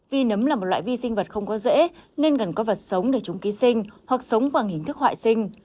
vi nấm là một loại vi sinh vật không có dễ nên cần có vật sống để chúng ký sinh hoặc sống bằng hình thức hoại sinh